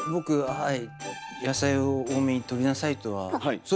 はい。